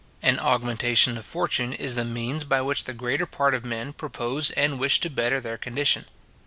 An augmentation of fortune is the means by which the greater part of men propose and wish to better their condition.